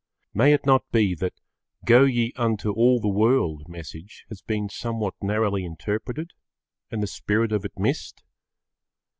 May it not be that "Go ye unto all the world" message has been somewhat narrowly interpreted and the spirit of it missed?